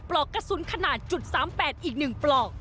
อกกระสุนขนาด๓๘อีก๑ปลอก